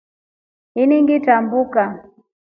Ini ngilitamka.